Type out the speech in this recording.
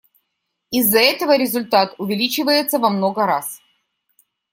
Из-за этого результат увеличивается во много раз.